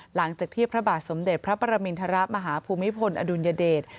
หลังจากที่พระบาทสมเด็จพระปรมินทรมาฮภูมิพลอดุลยเดช